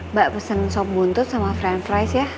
mbak pesen sop buntut sama french fries ya